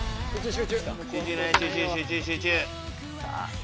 集中集中！